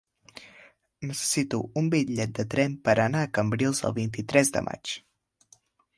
Necessito un bitllet de tren per anar a Cambrils el vint-i-tres de maig.